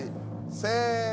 せの。